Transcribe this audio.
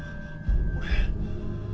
俺？